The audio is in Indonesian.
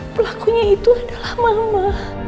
pelakunya itu adalah mama